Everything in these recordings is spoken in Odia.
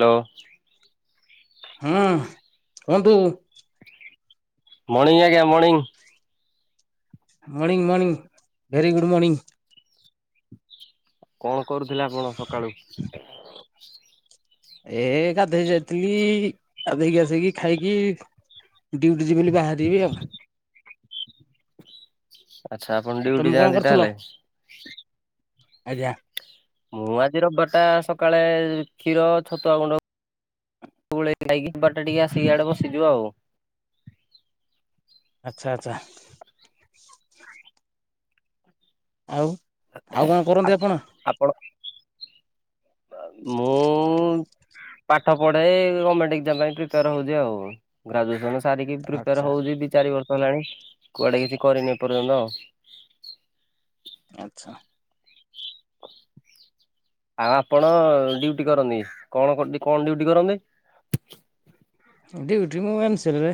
ହ୍ୟାଲୋ। ହୁଁ କୁହନ୍ତୁ। ମର୍ନିଂ ଆଜ୍ଞା morning morning morning very good morning. କଣ କରୁଥିଲେ ଆପଣ ସକାଳୁ ହ ଏ-ଏ-ଏ-ଏ ଗାଧେଇ ଯାଇଥିଲି-ଇ-ଇ-ଇ। ଗାଧେଇକି ଆସିକି ଖାଇକି-ଇ-ଇ-ଇ ଡ୍ୟୁଟି ଯିବି ବୋଲି ବାହାରିବି ଆଉ। ଆଛା ଆପଣ ଆଉ ତମେ ଡିଉଟି କଣ ଯାଆନ୍ତି କରୁଥିଲ? ତାହେଲେ? ଆଜ୍ଞା। ମୁଁ ଆଜି ରିବିବାର ଟା ସକାଳେ-ଏ-ଏ କ୍ଷୀର ଛତୁଆ ଗୁଣ୍ଡ ପୁଳେ ଖାଇକି [unintelligible] ଟିକେ ଆସିକି ଆଡେ ବସିଯିବା ଆଉ। ଆଚ୍ଛା ଆଚ୍ଛା। ଆଉ ଆଉ କଣ ଆ କରନ୍ତି ଆପଣ ଆପଣ ମୁଁ-ଉ-ଉ-ଉ ପାଠ ପଢେ-ଏ-ଏ-ଏ ଏ ଗଭର୍ଣମେଣ୍ଟ ଏକ୍ଜାମ ପାଇଁ ପ୍ରିପେୟାର ହଉଛି ଆଉ ଗ୍ରାଜୁଏସନ ସାରିକି ପ୍ରିପେୟାର ଆଚ୍ଛା ହଉଛି ଦି ଚାରି ବର୍ଷ ହେଲାଣି କୁଆଡେ କିଛି କରିନି ଏପର୍ଯ୍ୟନ୍ତ। ଆଚ୍ଛା। ଆ ଆପଣ-ଅ-ଅ-ଅ ଡ୍ୟୁଟି କରନ୍ତି, କଣ କ କଣ ଡିଉଟି କରନ୍ତି? ଡିଉଟି ମୁ ଏମ୍ ସି ଲ ରେ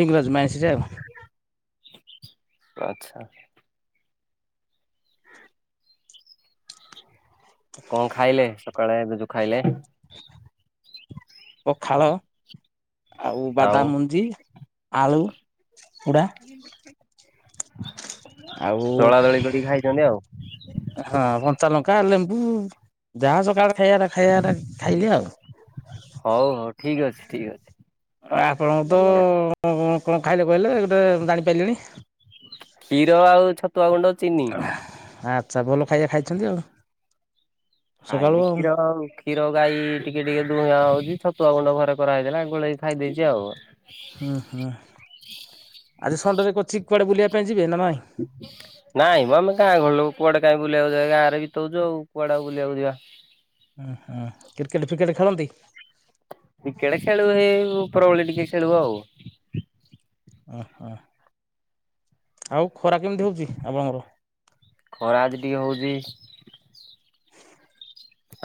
ଲିଙ୍କରାଜ ମାଇନ୍ସିରେ ଆଉ। ଆଚ୍ଛା। କଣ ଖାଇଲେ ସକାଳେ ଏବେ ଯୋଉ ଖାଇଲେ? ପଖାଳ ଆଉ ବାଦାମମୁଞ୍ଜି, ଆଳୁ ପୁଡ଼ା। ଆଉ ଦଳା ଦଳି କରିକି ଖାଇଛନ୍ତି ଆଉ। ହଁ କଞ୍ଚାଲଙ୍କା, ଲେମ୍ବୁ-ଉ-ଉ ଯାହା ସକାଳ ଖାଇଆଟା ଖାଇଆଟା ଖାଇବି ଆଉ। ହଉ ହଉ ଠିକ୍ ଅଛି ଠିକ୍ ଅଛି। ଆପଣଙ୍କୁ ଭଲ କଥା। ତ-ଅ-ଅ-ଅ କଣ ଖାଇଲେ କହିଲେ ଗୋଟେ ଜାଣିପାରିଲିନି? କ୍ଷୀର ଆଉ ଛତ୍ ଉଆ ଗୁଣ୍ଡ ଚିନି। ଆଚ୍ଛା ଭଲ ଖାଇବା ଖାଇଛନ୍ତି ଆଉ। ଖାଇନି କ୍ଷୀର ଆଉ। କ୍ଷୀର ଗାଇ-ଇ-ଇ ଟିକେ ଟିକେ ଦୁଆ ହଉଛି ଛତୁଆ ଗୁଣ୍ଡ ଘରେ କରାହେଇଥିଲା ଗୋଳେଇ ଖାଇ ଦେଇଛି ଆଉ। ହୁଁ ହୁଁ ଆଜି ସଣ୍ଡେରେ କୋଚିକ୍ କୁଆଡେ ବୁଲିବା ପାଇଁ ଯିବେ ନା ନାଇଁ? ହ ନାଇଁ ମ ଆମେ ଗାଁ ଗହଳି ଲୋକ କୁଆଡେ କାଇଁ ବୁଲିବାକୁ ଯାଏ ଗାଁ ରେ ବିତଉଛୁ ଆଉ କୁଆଡେ ଆଉ ବୁଲିବାକୁ ଯିବା। ଉଁ ହୁଁ କ୍ରିକେଟ ଫ୍ରିକେଟ ଖେଳନ୍ତି? କ୍ରିକେଟ ଖେଳୁ ହେ ଉପରବୋଳି ଟିକେ ଖେଳୁ ଆଉ। ଉଁ ହୁଁ ଆଉ ଖରା କେମିତି ହୋଉଛି ଆପଣଙ୍କର? ଖରା ଆଜି ଟିକେ ହଉଛି।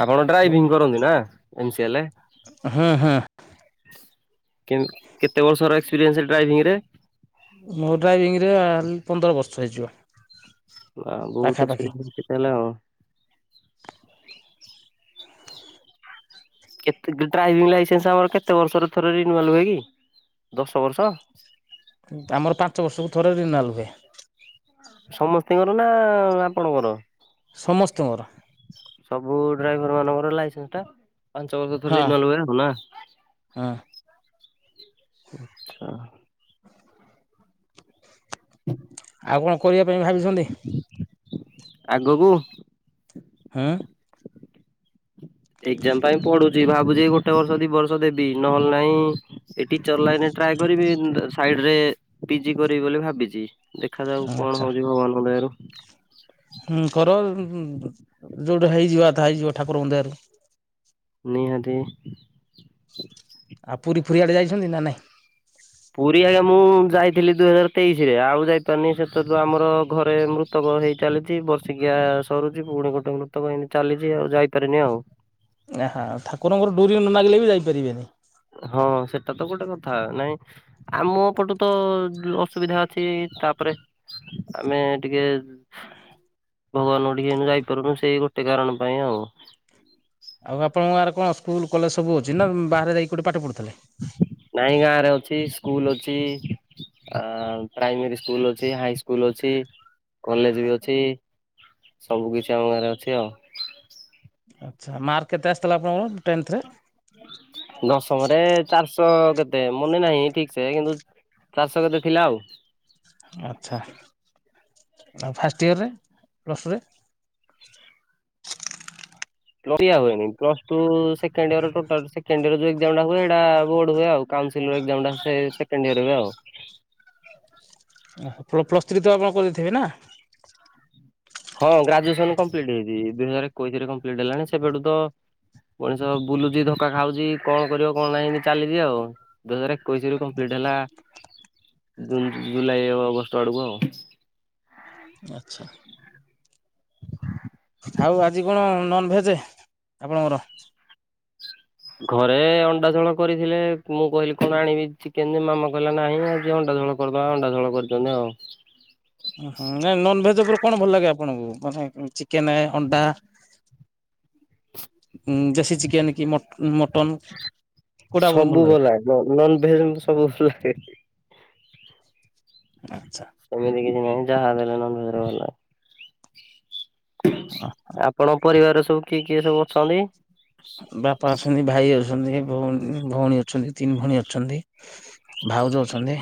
ଆପଣ ଡ୍ରାଇଭିଂ କରନ୍ତି ନା ଏମ ସି ଏଲ? ହୁଁ ହୁଁ। କେ କେତେ ବର୍ଷର ଏକ୍ସପେରିଏନ୍ସ ଡ୍ରାଇଭିଂରେ? ମୋ ଡ୍ରାଇଭିଂରେ [unintelligible] ପନ୍ଦର ବର୍ଷ ହେଇଯିବ। ଆ ବୋହୁତ ପାଖାପାଖି ଏକ୍ସପେରିଏନ୍ସ ଅଛି ତାହେଲେ ଆଉ। କେତେ ଡ୍ରାଇଭିଂ ଲାଇସେନ୍ସ ଆମର କେତେ ବର୍ଷରେ ଥରେ ରିନୁଆଲ ହୁଏ କି ଦଶ ବର୍ଷ? ଆମର ପାଞ୍ଚ ବର୍ଷକୁ ଥରେ ରେନୁଆଲ ହୁଏ। ସମସ୍ତିଙ୍କର ନା ଆପଣଙ୍କର? ସମସ୍ତିଙ୍କର। ସବୁ ଡ୍ରାଇଭର ମାନଙ୍କର ଲାଇସେନ୍ସଟା ପାଞ୍ଚ ବର୍ଷରେ ଥରେ ହୁଏ ଆଉ ନା? ହୁଁ। [unintelligible] ଆଚ୍ଛା। ଆଉ କଣ କରିବା ପାଇଁ ଭାବିଛନ୍ତି? ଆଗକୁ? ହୁଁ? ଏଗ୍ଜାମ ପାଇଁ ପଢ଼ୁଛି ଭାବୁଛି ଗୋଟେ ବର୍ଷ ଦି ବର୍ଷ ଦେବି ନହେଲେ ନାହିଁ ଏଇ ଟିଚର୍ ଲାଇନ ଟ୍ରାଏ କରିବି ସାଇଡରେ ପିଜି କରିବି ବୋଲି ଭାବିଛି। ଦେଖାଯାଉ କଣ ଆଚ୍ଛା ହୋଉଛି ଭଗବାନଙ୍କ ଦୟାରୁ। ହୁଁ କର ଯୋଉଟା ହେଇଯିବ କଥା ହେଇଯିବ ଠାକୁରଙ୍କ ଦୟାରୁ। ନିହାତି। ଆ ପୁରୀ ଫୁରି ଆଡ଼େ ଯାଇଛନ୍ତି ନା ନାଇଁ? ପୁରୀ ଆଜ୍ଞା ମୁଁ ଯାଇଥିଲି ଦୁଇ ହଜାର ତେଇଶିରେ ଆଉ ଯାଇ ପାରିନି ସେତେବେଳ ଆମର ଘରେ ମୃ ମୃତବ ହେଇ ଚାଲିଛି ବର୍ଷିକିଆ ସରୁଛି ପୁଣି ଗୋଟେ ମୃତବ ହେନ୍ତୀ ଚାଲିଛି ଆଉ ଯାଇପାରିନି ଆଉ। ଆ ହା ଠାକୁରଙ୍କର ଡୋରି ନ ଲାଗିଲେ ବି ଯାଇ ପାରିବେନି। ହଁ ସେଟା ତ ଗୋଟେ କଥା ନାଇଁ ଆମ ପଟୁ ତ ଅସୁବିଧା ଅଛି ତାପରେ ଆମେ ଟିକେ ଭଗବାନ କତିକି ଆମେ ଯାଇପାରୁନୁ ସେଇ ଗୋଟେ କାରଣ ପାଇଁ ଆଉ। ଆଉ ଆପଣଙ୍କ ଗାଁରେ କଣ ସ୍କୁଲ କଲେଜ ସବୁ ଅଛି ନା ବାହାରେ ଯାଇକି ଗୋଟେ ପାଠ ପଢ଼ୁଥିଲେ? ନାଇଁ ଗାଁରେ ଅଛି ସ୍କୁଲ ଅଛି। ଆ ପ୍ରାଇମେରୀ ସ୍କୁଲ ଅଛି ହାଇ ସ୍କୁଲ ଅଛି। କଲେଜ ବି ଅଛି ସବୁ କିଛି ଆମ ଗାଁରେ ଅଛି ଆଉ। ଆଚ୍ଛା ମାର୍କ କେତେ ଆସିଥିଲା ଆପଣଙ୍କର ଟେନ୍ଥରେ? ଦଶମରେ ଚାରିଶହ କେତେ ମନେ ନାହିଁ ଠିକ ସେ କିନ୍ତୁ ଚାରିସ କେତେ ଥିଲା ଆଉ। ଆଚ୍ଛା ଆଉ ଫାଷ୍ଟ ଇୟରରେ ପ୍ଲସ୍ ଟୁରେ? [unintelligible] Plus two second year total second year ଯୋଉ ଏଗ୍ଜାମ ଟା ହୁଏ ସେଟା ବୋର୍ଡ ହୁଏ ଆଉ। କାଉନସିଲ ଏଗ୍ଜାମଟା ସେ-ସେକେଣ୍ଡ ଇଅର ହୁଏ ଆଉ। ଅହ ପ୍ଲ-ପ୍ଲସ୍ ଥ୍ରୀ ତ ଆପଣ କରିଥିବେ ନା? ହଁ ଗ୍ରାଜୁଏସନ କମ୍ପ୍ଲିଟ୍ ହେଇଛି ଦୁଇ ହଜାର ଏକୋଇଶରେ କମ୍ପ୍ଲିଟ୍ ହେଲାଣି ସେବେଠୁ ତ ମଣିଷ ବୁଲୁଛି ଧୋକ୍କା ଖାଉଚି କଣ କରିବ କଣ ନାହିଁ ଚାଲିଚିଆଉ [unintelligible] ବୁଝିଲୁ କମ୍ପ୍ଲିଟ୍ ହେଲା ଜୁନ୍ ଜୁଲାଇ ଅଗଷ୍ଟ ଆଡ଼କୁ ଆଉ। ଆଚ୍ଛା। ଆଉ ଆଜି କଣ ନନ୍ଭେଯେ ଆପଣଙ୍କର? ଘରେ ଅଣ୍ଡା ଝୋଳ କରିଥିଲେ ମୁଁ କହିଲି କଣ ଆଣିବି ଚିକେନ ମାମା କହିଲା ନାହିଁ ଆଜି ଅଣ୍ଡାଝୋଳ କରିଦବା ଅଣ୍ଡା ଝୋଳ କରିଚନ୍ତି ଆଉ। ହୁଁ ନଁ ନନଭେଜ ଉପରେ କଣ ଭଲ ଲାଗେ ଆପଣଙ୍କୁ ମାନେ ଚିକେନେ ଅଣ୍ଡା ଉଁ ଦେଶୀ ଚିକେନ୍ କି ମ ସବୁ ଭଲ ନନ ଭେଜ ସବୁ ଭଲ ଲାଗେ। ଆଚ୍ଛା। ସେମିତି କିଛି ନାହିଁ ଯାହା ଦେଲେ ନନ୍ଭେଜ୍ ରେ ଭଲ। ଆପଣଙ୍କ ପରିବାର ସବୁ କିଏ କିଏ ସବୁ ଅଛନ୍ତି? ବାପା ଅଛନ୍ତି ଭାଇ ଅଛନ୍ତି ଭଉଣୀ- ଭଉଣୀ ଅଛନ୍ତି ତିନି ଭଉଣୀ ଅଛନ୍ତି। ଭାଉଜ ଅଛନ୍ତି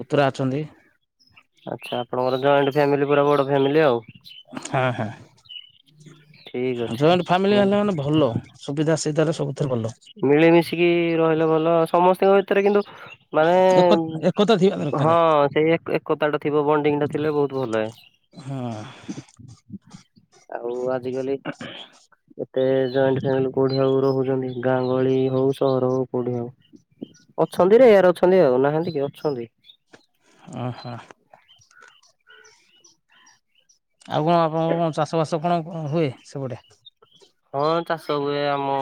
ପୁତୁରା ଅଛନ୍ତି। ଆଚ୍ଛା ଆପଣଙ୍କର ଜଏଣ୍ଟ ଫ୍ୟାମିଲି ପୁରା ବଡ ଫ୍ୟାମିଲି ଆଉ। ହଁ ହଁ ଠିକ ଅଛି। ଜଏଣ୍ଟ ଫାମିଲି ମୁଁ ହେଲେ ମାନେ ଭଲ। ସୁବିଧା ସେଧରେ ସବୁଥିରେ ଭଲ। ମିଳିମିଶିକି ରହିଲେ ଭଲ ସମସ୍ତଙ୍କ ଭିତରେ କିନ୍ତୁ ମାନେ ଏକ ଏକତା ଥିବା ଦରକାର। ହଁ ସେଇ ଏକ-ଏକତା ଟା ଥିବ ବଣ୍ଡିଙ୍ଗ ଟା ଥିଲେ ବହୁତ ଭଲ ଲାଗେ। ହଁ। ଆଉ ଆଜିକାଲି ଏତେ ଜଏଣ୍ଟ ଫାମିଲ କୋଉଠୀ ଆଉ ରହୁଚନ୍ତି ଗାଁ ଗହଳି ହଉ ସହର ହଉ କୋଉଠି ହଉ ଅଛନ୍ତିରେ ୟାର ଅଛନ୍ତି ଆଉ ନାହାନ୍ତି କି ଅଛନ୍ତି। ହ ହ। ଆଉ କଣ ଆପଣଙ୍କ କଣ ଚାଷବାସ କଣ ହୁ-ହୁଏ ସେପେଟେ? ହଁ ଚାଷ ହୁଏ ଆମ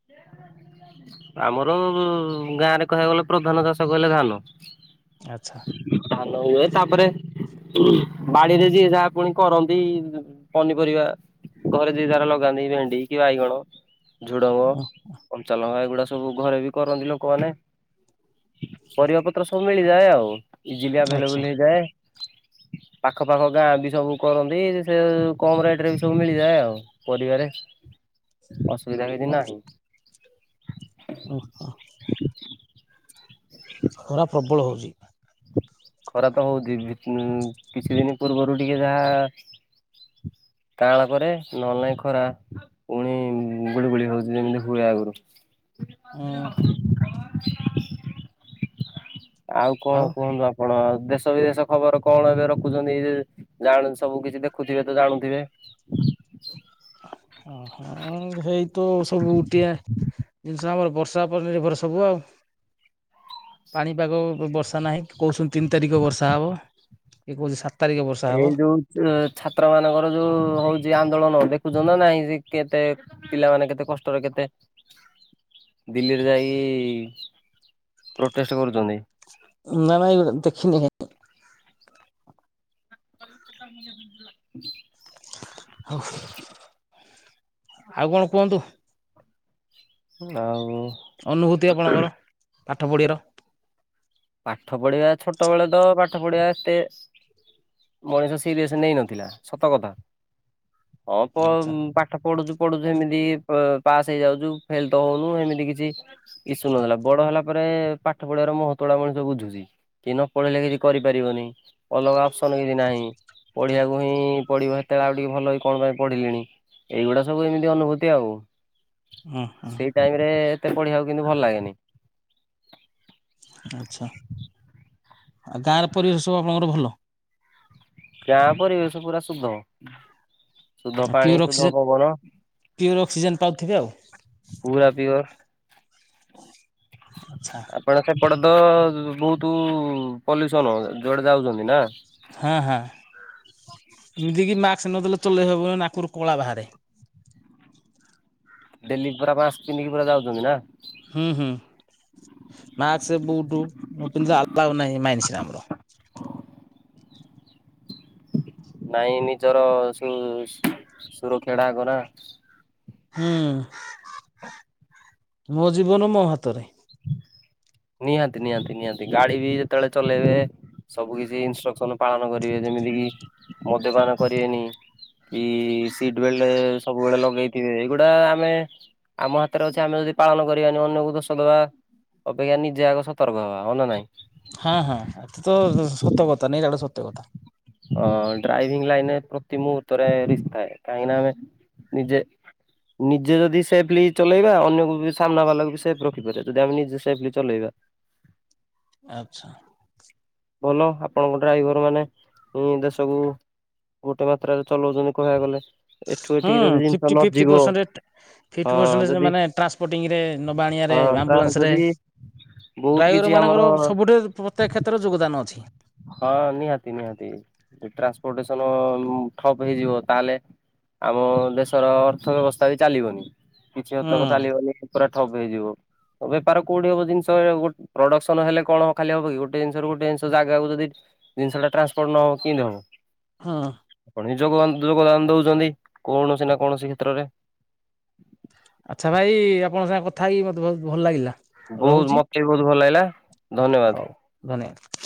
[inaudible] ଆମର ଗାଁରେ କହିବାକୁ ଗଲେ ପ୍ରଧାନ ଚାଷ କହିଲେ ଧାନ। ଆଚ୍ଛା। ଧାନ ହୁଏ ତାପରେ ବାଡିରେ ଯିଏ ଯାହା ପୁଣି କରନ୍ତି ପନିପରିବା ଘରେ ଯିଏ ଯାର ଲଗାନ୍ତି ଭେଣ୍ଡି କି ବାଇଗଣ ଝୁଡଙ୍ଗ [unintelligible] କଞ୍ଚା ଲଙ୍କା ଏଗୁଡା ସବୁ ଘରେ ବି କରନ୍ତି ଲୋକମାନେ। ପରିବା ପତ୍ର ସବୁ ମିଳିଯାଏ ଆଉ ଇଜିଲି ଆଚ୍ଛା ଆଭେଲେବୁଲ୍ ହେଇଯାଏ। ପାଖ ପାାଖ ଗାଁ ବି ସବୁ କରନ୍ତି ସେ କମ୍ ରେଟ୍ ରେ ବି ସବୁ ମିଳିଯାଏ ଆଉ। ପରିବାରେ ଅସୁବିଧା କିିଛି ନାହିଁ। ଓ ହ [unintelligible] [unintelligible] ଖରା ପ୍ରବଳ ହଉଜି। ଖରା ତ ହଉଚି [unintelligible] କିଛି ଦିନ ପୂର୍ବରୁ ଟିକେ ଯାହା କାଳ କରେ ନ ହେଲେ ନାହିଁ ଖରା ପୁଣି ଗୁଳିଗୁଳି ହଉଜି ଯେମିତି ହୁଏ ଆଗୁରୁ। ଉଁ। ଆଉ କଣ କୁହନ୍ତୁ ଆ ଆପଣ ଦେଶ ବିଦେଶ ଖବର କଣ ଏବେ ରଖୁଛନ୍ତି ଜାଣୁ ସବୁ କିଛି ଦେଖୁଥିବେ ତ ଜାଣୁଥିବେ? ହ ହଁ ହେଇତ ସବୁ ଉଟିଆ। ଜିନିଷ ଆମର ବର୍ଷା ଉପରେ ନିର୍ଭର ସବୁ ଆଉ। ପାଣିପାଗ ବର୍ଷା ନାହିଁ କି କହୁଛନ୍ତି ତିନି ତାରିଖ ବର୍ଷା ହବ, କିଏ କହୁଛି ସାତ ତାରିଖ ବର୍ଷା ହବ? ଉ ଛାତ୍ରମାନଙ୍କର ଯୋଉ ହଉଛି ଆନ୍ଦୋଳନ ଦେଖୁଛନ୍ତି ନା ନାଇଁ ଯେ କେତେ ପିଲାମାନେ କେତେ କଷ୍ଟରେ କେତେ ଦିଲ୍ଲୀରେ ଯାଇକି ପ୍ରୋଟେଷ୍ଟ କରୁଛନ୍ତି। ନାଁ ଭାଇ ଦେଖିନି କାଇଁ? [unintelligible] ହଉ ଆଉ କଣ କୁହନ୍ତୁ? ନା ଆଉ ଅନୁଭୂତି ଆପଣଙ୍କର ପାଠ ପଢ଼ିବାର? ପାଠ ପଢ଼ିବା ଛୋଟ ବେଳେ ତ ପାଠ ପଢ଼ିବା ଏତେ ମଣିଷ ସିରିଏସ୍ ନେଇ ନଥିଲା ସତ କଥା, ଅଳପ ଆଚ୍ଛା। ଉଁ ପା ଠ ପଢୁଛୁ ପଢୁଛୁ ହେମିତି ପ୍ ପାସ୍ ହେଇଯାଉଛୁ ଫେଲ୍ ତ ହଉନୁ ହେମିତି କିଛି ଇଶୁ ନ ଥିଲା ବଡ ହେଲା ପରେ ପାଠ ପଢିବାର ମହତ ପତଳା ମଣିଷ ବୁଝୁଛି, କି ନ ପଢ଼ିଲେ କିଛି କରିପାରିବନି, ଅଲଗା ଅପସନ୍ କିଛି ନାହିଁ। ପଢ଼ିଆକୁ ହିଁ ପଢ଼ିବା ହେତେବେଳେ ଆଉ ଟିକେ ଭଲ ହେଇ କଣ ପାଇଁ ପଢିଲିଣି? ଏଇଗୁଡା ସବୁ ଏମିତି ଅନୁଭୂତି ଆଉ। ହୁଁ, ହୁଁ। ଟାଇମରେ ଏତେ ପଢ଼ିବାକୁ କିନ୍ତୁ ଭଲ ଲାଗେନି? ଆଚ୍ଛା, ଆଉ ଗାଁର ପରିବେଶ ସବୁ ଆପଣଙ୍କର ଭଲ? ଗାଁ ପରିିବେଶ ପୁରା ସୁଦ୍ଧ। ଆଉ ପିଓର ଅକ୍ସିଜେନ୍, ପିଓର ଅକ୍ସିଜେନ୍ ପାଉଥିବେ ଆଉ। ପୁରା ପିଓର। ଆଚ୍ଛା। ଆପଣ ସେପଟେ ତ ବହୁତ ପଲ୍ୟୁସନ ଯୁଆଡେ ଯାଉଛନ୍ତି ନା? ହାଁ, ହାଁ, ଏମିତିକିି ମାସ୍କ ନଦେଲେ ଚଲେଇହବନି ନାକରୁ କଳା ବାହାରେ। ଡେଲି ପୁରା ମାସ୍କ ପିନ୍ଧିକି ପୁରା ଯାଉଛନ୍ତି ନା? ହୁଁ ହୁଁ, ମାସ୍କ ବୁଟ୍ ନ ପିନ୍ଧିଲେ ଆଲାଉ ନାହିଁ ମାଇନ୍ସରେ ଆମର। ନାଇଁ ନିଜର ସୁ ସୁ ସୁରକ୍ଷାଟା ଆଗନା? ହୁଁ, ମୋ ଜୀବନ ମୋ ହାତରେ। ନିହାତି, ନିହାତି, ନିହାତି ଗାଡ଼ି ବି ଯେତଳେ ଚଲେଇବେ ସବୁ କିଛି ଇନଷ୍ଟ୍ରକ୍ସନ ପାଳନ କରିବେ ଯେମିତି କି ମଦ୍ୟପାନ କରିବେନି କି ସିଟ୍ ବେଲ୍ଟ ସବୁବେଳେ ଲଗେଇଥିବେ ଏଇଗୁଡା ଆମେ ଆମ ହାତରେ ଅଛି ଆମେ ଯଦି ପାଳନ କରିବାନି ଅନ୍ୟକୁ ଦୋଷ ସଦବା, ଅପେକ୍ଷା ନିଜେ ଆଗ ସତର୍କ ହବା ହଁ ନା ନାଇଁ। ହଁ ହଁ ଏତେ ତ ସତ୍ୟ କଥା ନିରାଟ ସତ୍ୟ କଥା ଅ ଡ୍ରାଇଭିଂ ଲାଇନନେ ପ୍ରତି ମୁହୂର୍ତ୍ତରେ ରିସ୍କ ଥାଏ, କାହିଁକି ନାଁ ଆମେ ନିଜେ ନିଜେ ଯଦି ସେଫଲି ଚଲେଇବା ଅନ୍ୟକୁ ବି ସାମ୍ନା ବାଲାକୁ ବି ସେଫ୍ ରଖିପାରିବା, ଯଦି ଆମେ ନିଜେ ସେଫଲି ଚଲେଇବା। ଆଚ୍ଛା। ଭଲ ଆପଣଙ୍କ ଡ୍ରାଇଭର ମାନେ ଉଁ ଦେଶକୁ ଗୋଟେ ମାତ୍ରାରେ ଚଲଉଛନ୍ତି କହିବାକୁ ଗଲେ। ଏଠୁ ହୁଁ ଏଠିକି ଯଦି ଜିନିଷ ଫିଫ୍ଟି ନ ଫିପ୍ଟି ଯିବ ପର୍ସଣ୍ଟରେଟ, ହଁ ଫିପ୍ଥ ପର୍ସଣ୍ଟରେଜରେ ଯଦି ମାନେ ଟ୍ରାନ୍ସପୋର୍ଟ। ମିତିଂରେ ନବା ଆଣିବାରେ ହଁ ତା ଆମ୍ବୁଲାନ୍ସରେ ଯଦି ବହୁତ କିଛି ଡ୍ରାଇଭର ଆମର ମାନଙ୍କର ସବୁଠାରୁ ପ୍ରତ୍ୟକ କ୍ଷେତ୍ରରେ ଯୋଗଦାନ ଅଛି। ହଁ ନିହାତି ନିହାତି ଟ୍ରାନ୍ସପୋଟସନ ଠପ ହେଇଯିବ, ତାହେଲେ ଆମ ଦେଶର ଅର୍ଥ ବ୍ୟବସ୍ଥା ବି ଚାଲିବନି କିଛି ହୁଁ ହତକ ଚାଲିବନି। ପୁରା ଠପ ହେଇଯିବ। ବେପାର କୋଉଠି ହବ ଜିନିଷ ଗୋ ପ୍ରଡକ୍ସନ ହେଲେ କଣ ଖାଲି ହବ କି ଗୋଟେ ଜିନିଷ ରୁ ଗୋଟେ ଜିନିଷ ଯା ଏହାକୁ ଯଦି ଜିନିଷ ଟା ଟ୍ରାଂଶପୋର୍ଟ ନ ହେବ କେମିତି ହେବ। ହଁ ନିଜକୁ ଆ ଯୋଗଦାନ ଦଉଛନ୍ତି କୌଣସି ନା କୌଣସି କ୍ଷେତ୍ରରେ। ଆଚ୍ଛା ଭାଇ ଆପଣଙ୍କ ସାଙ୍ଗେ କଥା ହେଇ ମତେ ବହୁତ ଭଲ ଲାଗିଲା। ବହୁତ ରହୁଛି ମତେ ବି ବହୁତ ଭଲ ଲାଗିଲା ହଉ ଧନ୍ୟବାଦ। ଧନ୍ୟବାଦ।